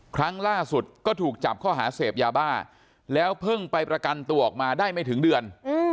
ครั้งล่าสุดก็ถูกจับข้อหาเสพยาบ้าแล้วเพิ่งไปประกันตัวออกมาได้ไม่ถึงเดือน